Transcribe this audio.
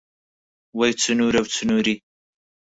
وەی چنوورە و چنووری